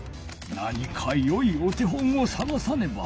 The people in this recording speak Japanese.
何かよいお手本をさがさねば。